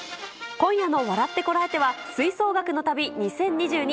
今夜の笑ってコラえて！は吹奏楽の旅２０２２